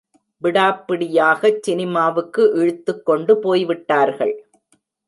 விடாப் பிடியாகச் சினிமாவுக்கு இழுத்துக் கொண்டு போய்விட்டார்கள்.